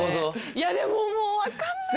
いやでももう分かんないな。